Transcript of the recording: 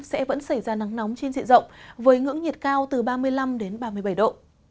sẽ vẫn xảy ra nắng nóng trên dịa rộng với ngưỡng nhiệt cao từ ba mươi năm đến ba mươi bảy độ